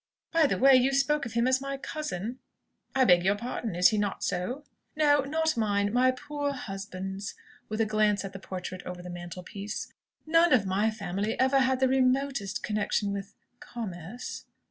By the way, you spoke of him as my cousin " "I beg your pardon; is he not so?" "No; not mine. My poor husband's," with a glance at the portrait over the mantelpiece. "None of my family ever had the remotest connection with commerce."